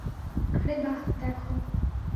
আরে বাহ, দেখো।